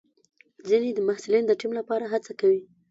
ځینې محصلین د ټیم لپاره هڅه کوي.